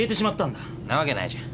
んなわけないじゃん。